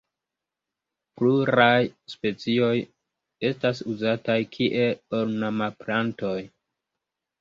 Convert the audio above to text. Pluraj specioj estas uzataj kiel ornamplantoj.